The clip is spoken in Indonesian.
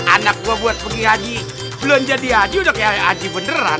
anak gue buat pergi haji belum jadi haji udah kayak haji beneran